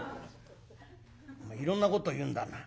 「おめえいろんなこと言うんだな。